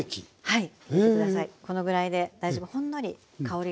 はい。